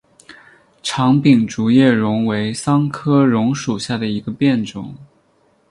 长柄竹叶榕为桑科榕属下的一个变种。